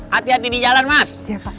hati hati di jalan mas